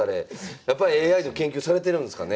やっぱＡＩの研究されてるんですかね。